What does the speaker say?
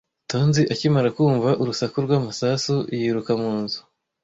Tonzi akimara kumva urusaku rw'amasasu, yiruka mu nzu.